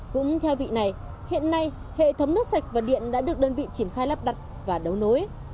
cũng theo vị này hiện nay hệ thống nước sạch và điện đã được đơn vị triển khai lắp đặt và đấu nối